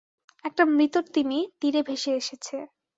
একটা মৃত তিমি তীরে ভেসে এসেছে।